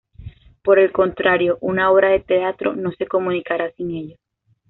Por el contrario, una obra de teatro no se comunicará sin ello.